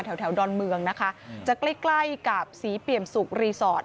แถวดอนเมืองจะใกล้กับศรีเปี่ยมศุกร์รีสอร์ต